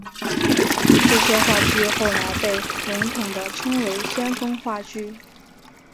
这些话剧后来被笼统地称为先锋话剧。